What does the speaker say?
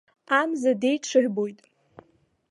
Амза деиҽырбоит.